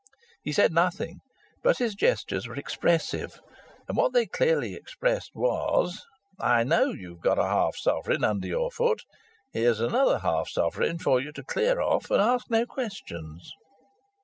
He said nothing, but his gestures were expressive, and what they clearly expressed was: "I know you've got a half sovereign under your foot; here's another half sovereign for you to clear off and ask no questions."